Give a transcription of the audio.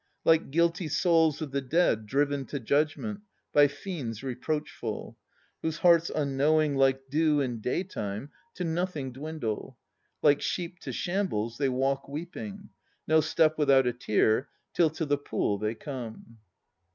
Like guilty souls of the Dead Driven to Judgment By fiends reproachful; Whose hearts unknowing Like dew in day time To nothing dwindle. Like sheep to shambles They walk weeping, No step without a tear Fill to the Pool they come.